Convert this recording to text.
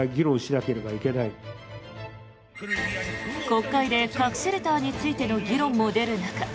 国会で核シェルターについての議論も出る中